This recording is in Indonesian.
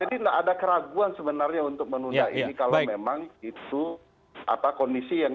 jadi tidak ada keraguan sebenarnya untuk menunda ini kalau memang itu kondisi yang kita anggap tidak layak lagi